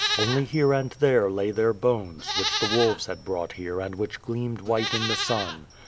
Only here and there, lay their bones, which the wolves had brought here and which gleamed white in the sun.